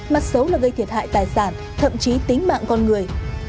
mặt xấu là gây thiệt hại tài sản thậm chí tính mạng con người